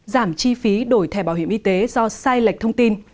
giảm chi phí đổi thẻ bảo hiểm y tế do sai lệch thông tin